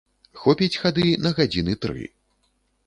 Хопіць хады на гадзіны тры.